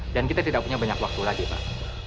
dan kita tidak punya banyak waktu lagi pak